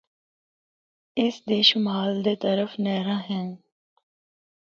اس دے شمال دے طرف نہراں ہن۔